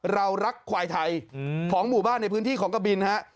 เรารักควายไทยของหมู่บ้านในพื้นที่ของกะบินฮะ